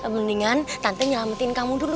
mendingan tante nyelamatin kamu dulu